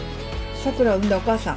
桜を産んだお母さん。